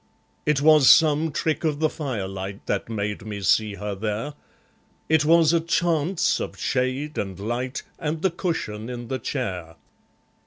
It was some trick of the firelight That made me see her there. It was a chance of shade and light And the cushion in the chair.